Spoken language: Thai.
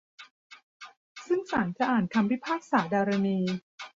ซึ่งศาลจะอ่านคำพิพากษาดารณี